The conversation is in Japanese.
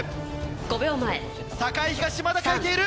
５秒前栄東まだ書いている！